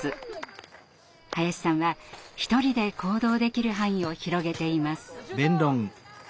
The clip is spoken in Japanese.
林さんは一人で行動できる範囲を広げています。